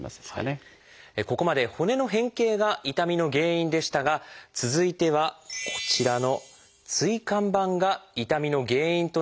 ここまで骨の変形が痛みの原因でしたが続いてはこちらの椎間板が痛みの原因となるケースです。